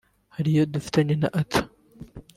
Hari iyo dufitanye na Arthur